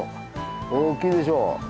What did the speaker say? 大きいでしょ。